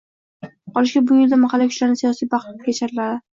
qolishga, bu yo'lda mahalliy kuchlarni siyosiy birlikka chaqiradi.